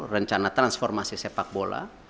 rencana transformasi sepak bola